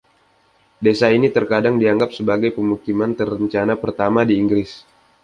Desa ini terkadang dianggap sebagai pemukiman terencana pertama di Inggris.